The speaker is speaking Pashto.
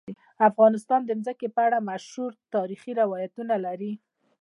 افغانستان د ځمکه په اړه مشهور تاریخی روایتونه لري.